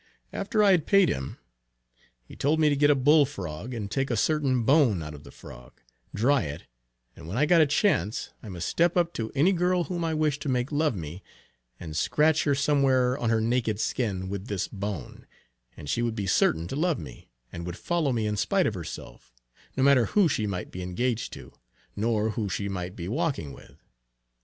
After I had paid him, he told me to get a bull frog, and take a certain bone out of the frog, dry it, and when I got a chance I must step up to any girl whom I wished to make love me, and scratch her somewhere on her naked skin with this bone, and she would be certain to love me, and would follow me in spite of herself; no matter who she might be engaged to, nor who she might be walking with.